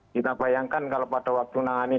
kita bayangkan kalau pada waktu nangani kasus ini